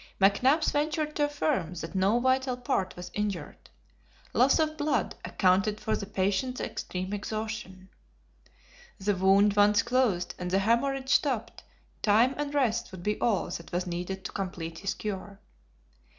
McNabbs ventured to affirm that no vital part was injured. Loss of blood accounted for the patient's extreme exhaustion. The wound once closed and the hemorrhage stopped, time and rest would be all that was needed to complete his cure.